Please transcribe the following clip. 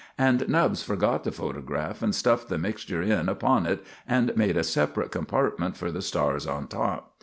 And Nubbs forgot the photograph and stuffed the mixture in upon it, and made a separate compartment for the stars on top.